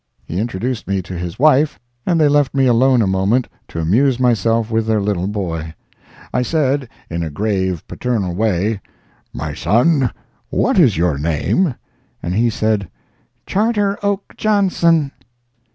He introduced me to his wife, and they left me alone a moment to amuse myself with their little boy. I said, in a grave, paternal way, "My son, what is your name?" And he said, "Charter Oak Johnson."